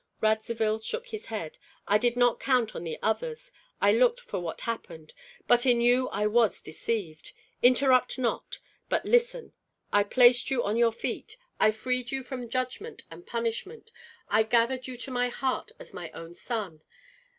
Radzivill shook his head. "I did not count on the others, I looked for what happened; but in you I was deceived. Interrupt not, but listen. I placed you on your feet, I freed you from judgment and punishment, I gathered you to my heart as my own son.